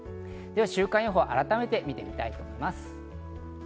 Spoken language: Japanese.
では週間予報、改めて見てみたいと思います。